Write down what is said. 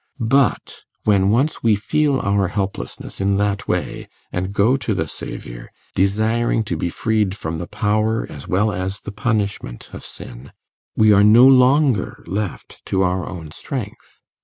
But when once we feel our helplessness in that way, and go to the Saviour, desiring to be freed from the power as well as the punishment of sin, we are no longer left to our own strength.